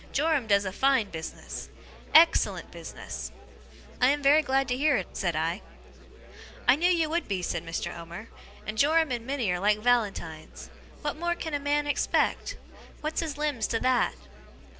Joram does a fine business. Ex cellent business!' 'I am very glad to hear it,' said I. 'I knew you would be,' said Mr. Omer. 'And Joram and Minnie are like Valentines. What more can a man expect? What's his limbs to that!